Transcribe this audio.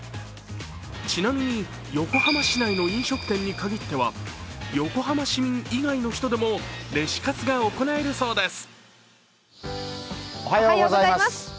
ちなみに横浜市内の飲食店に限っては横浜市民以外の人でもレシ活が行えるそうです。